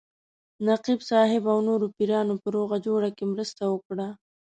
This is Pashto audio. نقیب صاحب او نورو پیرانو په روغه جوړه کې مرسته وکړه.